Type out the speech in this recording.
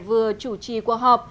vừa chủ trì cuộc họp